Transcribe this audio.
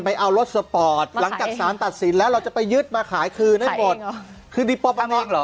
ไปเอารถสปอร์ตหลังกับสารตัดสินแล้วเราจะไปยึดมาขายคืนได้หมด